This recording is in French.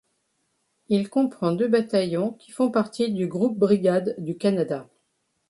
Il comprend deux bataillons qui font partie du Groupe-brigade du Canada.